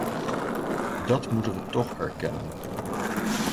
Dat moeten we toch erkennen.